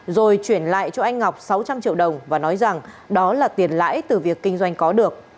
rồi chuyển lại cho anh ngọc sáu trăm linh triệu đồng và nói rằng đó là tiền lãi từ việc kinh doanh có được